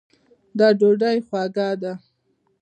دا ډوډۍ خوږه ده